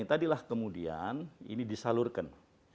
tadilah kemudian ini disalurkan